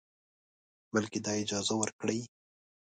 بلکې دا اجازه ورکړئ